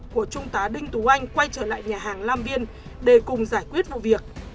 của trung tá đinh tú anh quay trở lại nhà hàng lam viên để cùng giải quyết vụ việc